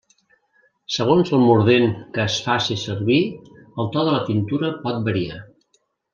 Segons el mordent que es faci servir el to de la tintura pot variar.